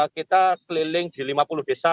kita keliling di lima puluh desa